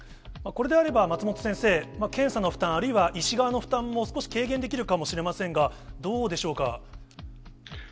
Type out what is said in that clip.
これであれば、松本先生、検査の負担、あるいは医師側の負担もー少し軽減できるかもしれませんが、どうでしょうか。